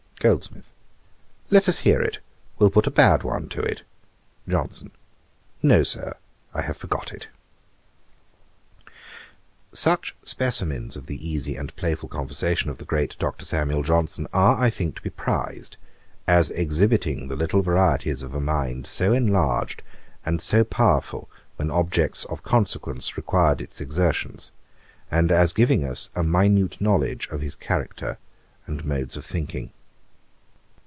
GOLDSMITH. 'Let us hear it; we'll put a bad one to it.. JOHNSON. 'No, Sir, I have forgot it.' Such specimens of the easy and playful conversation of the great Dr. Samuel Johnson are, I think, to be prized; as exhibiting the little varieties of a mind so enlarged and so powerful when objects of consequence required its exertions, and as giving us a minute knowledge of his character and modes of thinking.